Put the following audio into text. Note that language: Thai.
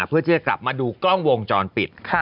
เพื่อที่จะกลับมาดูกล้องวงจรปิด